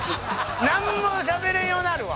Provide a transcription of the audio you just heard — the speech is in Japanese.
なんもしゃべれんようになるわ！